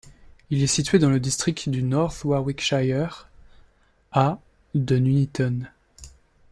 Il est situé dans le district du North Warwickshire, à de Nuneaton.